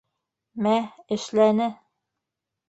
Мә, эшләне...